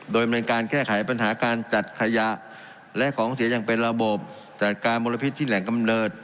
โดยดำเนินการแก้ไขปัญหาการจัดขยะและของเสียอย่างเป็นระบบจัดการมลพิษที่แหล่งกำเนิด